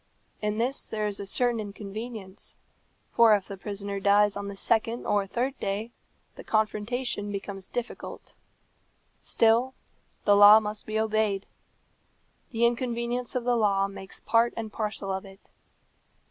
In this there is a certain inconvenience, for if the prisoner dies on the second or third day the confrontation becomes difficult; still the law must be obeyed. The inconvenience of the law makes part and parcel of it.